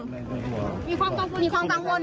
มีความกังวลมีความกังวล